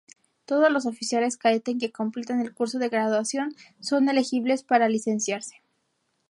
Todos los oficiales cadetes que completan el curso de graduación son elegibles para licenciarse.